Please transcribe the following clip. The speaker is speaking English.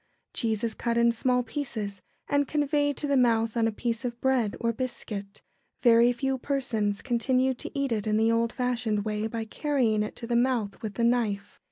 Cheese is cut in small pieces and conveyed to the mouth on a piece of bread or biscuit. Very few persons continue to eat it in the old fashioned way by carrying it to the mouth with the knife.